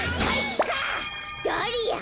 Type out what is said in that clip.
ダリア！